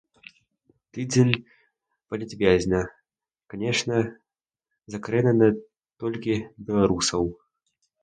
Тыдзень палітвязня, канешне, закране не толькі беларусаў.